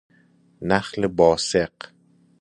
نخل باسق